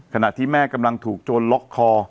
ขณะที่แม่กำลังถูกโจรล็อกคอ